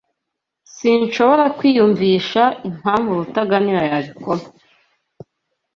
Sinshobora kwiyumvisha impamvu Rutaganira yabikora.